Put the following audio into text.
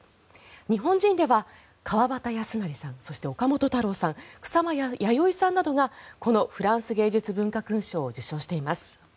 日本人では川端康成さんそして、岡本太郎さん草間彌生さんなどがこのフランス芸術文化勲章を受章しています。